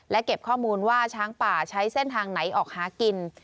และเก็บข้อมูลว่าช้างป่าใช้เส้นทางไหนออกหากิน